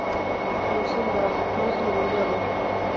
No se le vuelve a ver.